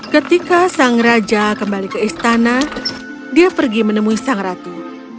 ketika sang raja kembali ke istana dia pergi menemui sang ratu